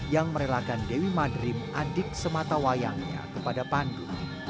yang merelakan dewi madrim adik sematawayangnya kepada pandu